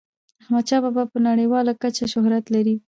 احمد شاه بابا په نړیواله کچه شهرت لري.